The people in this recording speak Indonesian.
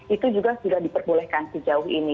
itu juga sudah diperbolehkan sejauh ini